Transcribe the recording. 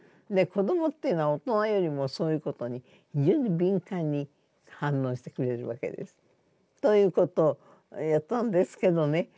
で子供っていうのは大人よりもそういうことに非常に敏感に反応してくれるわけです。ということをやったんですけどね